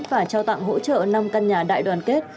và trao tặng hỗ trợ năm căn nhà đại đoàn kết